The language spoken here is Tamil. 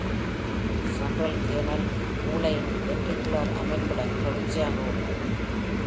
சென்ட்ரல் கேனல், மூளையின் வென்ட்ரிகுலர் அமைப்புடன் தொடர்ச்சியாக உள்ளது.